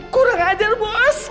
kurang ajar bos